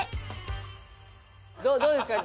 どうですか？